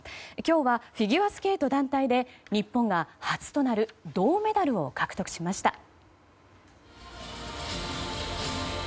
今日はフィギュアスケート団体で日本が初となる銅メダルを獲得しました。